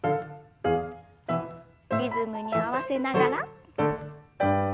リズムに合わせながら。